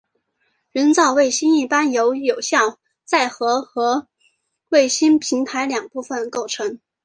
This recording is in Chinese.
人造卫星一般由有效载荷和卫星平台两部分构成。